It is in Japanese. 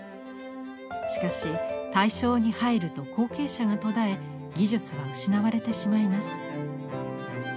しかし大正に入ると後継者が途絶え技術は失われてしまいます。